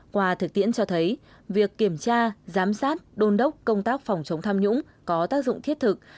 qua thực tiễn cho thấy việc kiểm tra giám sát đôn đốc công tác phòng chống tham nhũng có tác dụng thiết thực